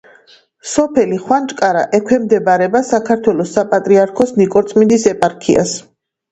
სოფელი ხვანჭკარა ექვემდებარება საქართველოს საპატრიარქოს ნიკორწმინდის ეპარქიას.